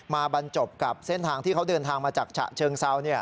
บรรจบกับเส้นทางที่เขาเดินทางมาจากฉะเชิงเซา